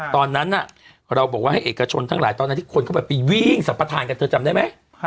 ตอนนั้นเราบอกว่าให้เอกชนทั้งหลายตอนนั้นที่คนเข้าไปวิ่งสัมปทานกันเธอจำได้ไหม